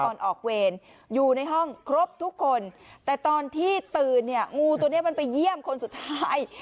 ตอนออกเวรอยู่ในห้องครบทุกคนแต่ตอนที่ตื่นเนี่ยงูตัวนี้มันไปเยี่ยมคนสุดท้าย